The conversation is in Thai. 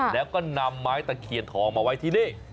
แล้วก็นำไม้ตะเคียนทองมาไว้ที่นี่